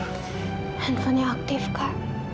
handphonenya aktif kak